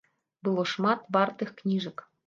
Было шмат вартых кніжак.